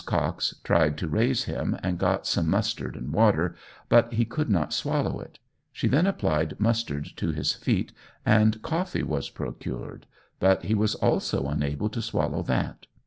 Cox tried to raise him, and got some mustard and water, but he could not swallow it. She then applied mustard to his feet, and coffee was procured, but he was also unable to swallow that.